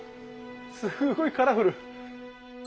すっごいカラフル。